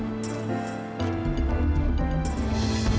beliefs tbt itu ya